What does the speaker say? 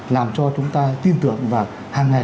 làm cho chúng ta tin tưởng và hàng ngày